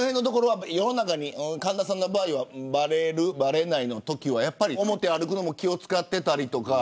世の中に神田さんの場合はばれるばれないのときはやっぱり表を歩くのも気を使っていたりとか。